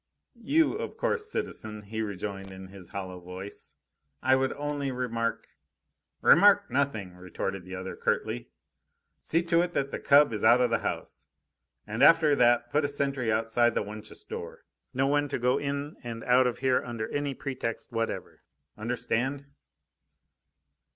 "You, of course, citizen," he rejoined in his hollow voice. "I would only remark " "Remark nothing," retorted the other curtly. "See to it that the cub is out of the house. And after that put a sentry outside the wench's door. No one to go in and out of here under any pretext whatever. Understand?"